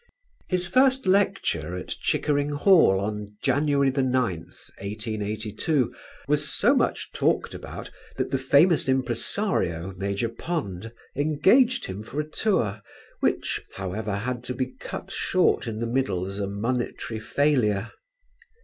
His first lecture at Chickering Hall on January 9, 1882, was so much talked about that the famous impresario, Major Pond, engaged him for a tour which, however, had to be cut short in the middle as a monetary failure.